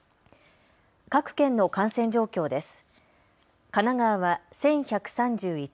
各県の感染状況です。